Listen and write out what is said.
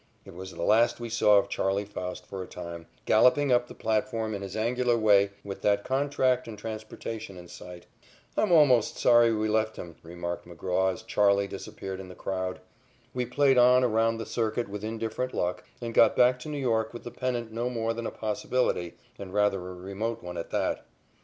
It was the last we saw of "Charley" Faust for a time galloping up the platform in his angular way with that contract and transportation in sight. "I'm almost sorry we left him," remarked McGraw as "Charley" disappeared in the crowd. We played on around the circuit with indifferent luck and got back to New York with the pennant no more than a possibility, and rather a remote one at that.